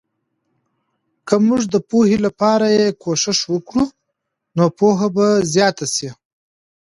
که موږ د پوهې لپاره یې کوښښ وکړو، نو پوهه به زیاته سي.